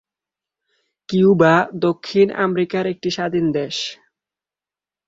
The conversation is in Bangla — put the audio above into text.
কিউবা দক্ষিণ আমেরিকার একটি স্বাধীন দেশ।